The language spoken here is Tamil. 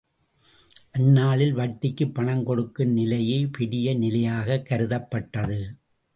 அந்நாளில் வட்டிக்குப் பணம் கொடுக்கும் நிலையே பெரிய நிலையாகக் கருதப்பட்டது.